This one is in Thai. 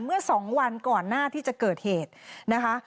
เมื่อ๒วันก่อนหน้าที่จะเกิดเหตุนะคะ